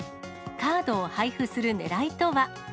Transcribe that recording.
カードを配付するねらいとは。